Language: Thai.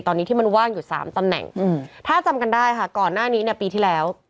ตอนนี้ที่มันว่างอยู่๓ตำแหน่งถ้าจำกันได้ค่ะก่อนหน้านี้เนี่ยปีที่แล้ว